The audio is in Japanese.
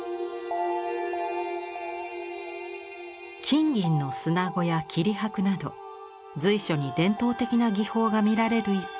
金銀の砂子や切箔など随所に伝統的な技法が見られる一方で。